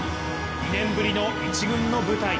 ２年ぶりの１軍の舞台。